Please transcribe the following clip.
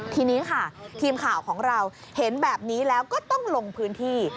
ทีนี้ค่ะทีมข่าวของเราเห็นแบบนี้แล้วก็ต้องลงพื้นที่